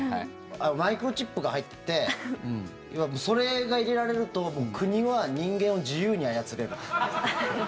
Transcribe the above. マイクロチップが入っててそれが入れられると国は人間を自由に操れるって。